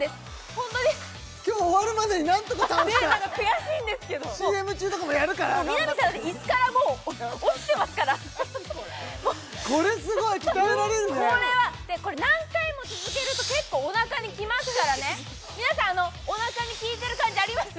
ホントに今日終わるまでに何とか倒したい何か悔しいんですけどＣＭ中とかもやるから頑張って南さん椅子からもう落ちてますからこれすごい鍛えられるねこれ何回も続けると結構おなかにきますからね皆さんおなかに効いてる感じあります？